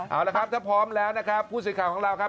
เอาละครับถ้าพร้อมแล้วนะครับผู้สื่อข่าวของเราครับ